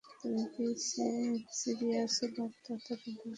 তুমি কি সিরিয়াসলি আত্মহত্যা সম্পর্কিত উদ্ধৃতি শুনিয়ে আমার মন ভালো করে দিতে চাচ্ছ?